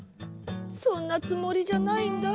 そんなつもりじゃないんだ。